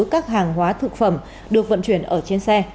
các hàng hóa thực phẩm được vận chuyển ở trên xe